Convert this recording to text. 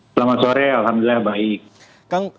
selamat sore alhamdulillah baik